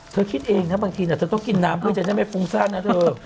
คิดเองนะบางทีเธอต้องกินน้ำเพื่อจะได้ไม่ฟุ้งซ่านนะเธอ